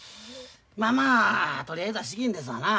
まあまあとりあえずは資金ですわな。